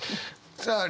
さあ